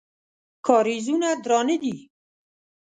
کارېزونه درانه دي.